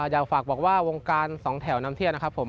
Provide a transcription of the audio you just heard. อยากฝากบอกว่าวงการสองแถวนำเที่ยวนะครับผม